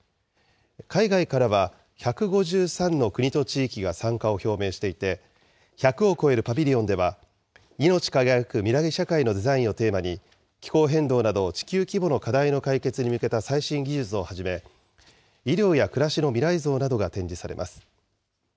海外からは、１５３の国と地域が参加を表明していて、１００を超えるパビリオンでは、いのち輝く未来社会のデザインをテーマに、気候変動など、地球規模の課題解決に向けた最新技術をはじめ、医療や暮らしの未来像などが展示されます。